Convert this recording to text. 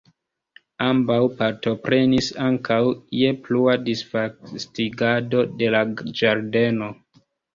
Ambaŭ partoprenis ankaŭ je plua disvastigado de la ĝardeno.